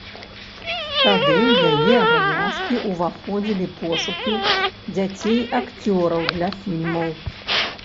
Тады ў яе абавязкі ўваходзілі пошукі дзяцей-акцёраў для фільмаў.